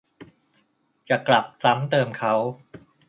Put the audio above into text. จะกลับซ้ำเติมเขา